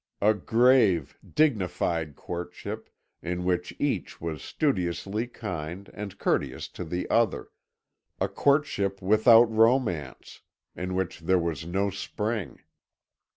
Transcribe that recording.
A grave, dignified courtship, in which each was studiously kind and courteous to the other; a courtship without romance, in which there was no spring.